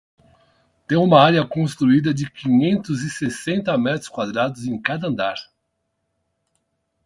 Tem uma área construída de quinhentos e sessenta metros quadrados em cada andar.